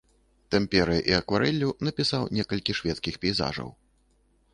Тэмперай і акварэллю напісаў некалькі шведскіх пейзажаў.